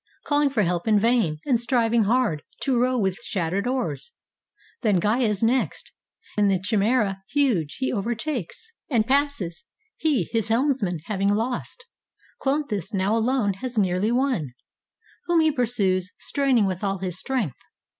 Calling for help in vain, and striving hard To row with shattered oars. Then Gyas next, In the Chimasra huge, he overtakes 239 ROME And passes, he his helmsman having lost. Cloanthus now alone has nearly won, Whom he pursues, straining with all his strength.